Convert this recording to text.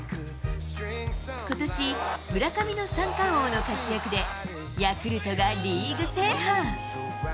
ことし、村上の三冠王の活躍で、ヤクルトがリーグ制覇。